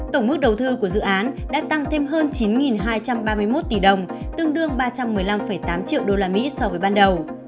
tổng mức đầu tư của dự án đã tăng thêm hơn chín hai trăm ba mươi một tỷ đồng tương đương ba trăm một mươi năm tám triệu usd so với ban đầu